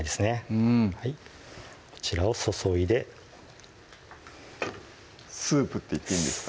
うんこちらを注いでスープって言っていいんですか？